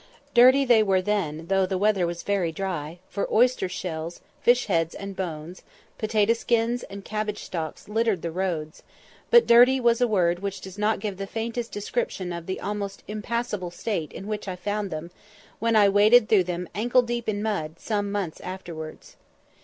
Dirty they were then, though the weather was very dry, for oyster shells, fish heads and bones, potato skins, and cabbage stalks littered the roads; but dirty was a word which does not give the faintest description of the almost impassable state in which I found them, when I waded through them ankle deep in mud some months afterwards.